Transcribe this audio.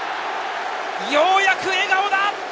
ようやく笑顔だ！